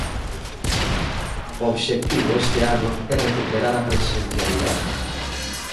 O obxectivo este ano é recuperar a presencialidade.